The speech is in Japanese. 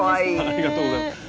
ありがとうございます。